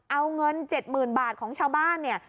เอาเงิน๗๐๐๐บาทของชาวบ้านเนี่ย